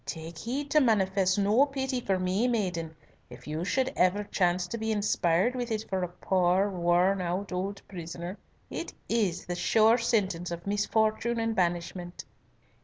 "Take heed to manifest no pity for me, maiden, if you should ever chance to be inspired with it for a poor worn out old prisoner. It is the sure sentence of misfortune and banishment."